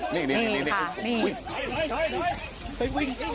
นี่ค่ะนี่